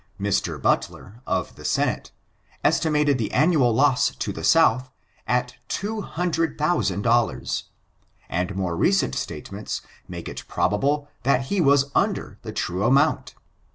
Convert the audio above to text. Mr. Butler, of the Senate, estimated the annual loss to the South at two hundred thousand dollars, and more recent statements make it probable that he was under the true amount.